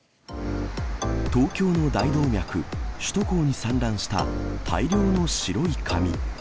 東京の大動脈、首都高に散乱した大量の白い紙。